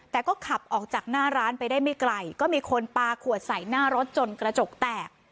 แต่ก็ขับออกจากหน้าร้านไปได้ไม่ไกลก็มีคนปลาขวดใส่หน้ารถจนกระจกแตก